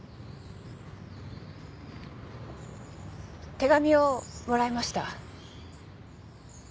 手紙をもらいました。